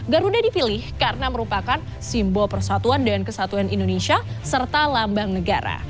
garuda dipilih karena merupakan simbol persatuan dan kesatuan indonesia serta lambang negara